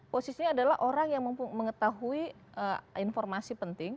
posisinya adalah orang yang mengetahui informasi penting